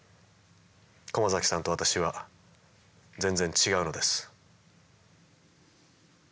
駒崎さんと私は全然違うのです。